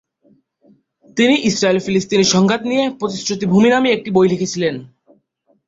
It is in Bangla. তিনি ইস্রায়েল-ফিলিস্তিনের সংঘাত নিয়ে "প্রতিশ্রুত ভূমি" নামে একটি বই লিখেছিলেন।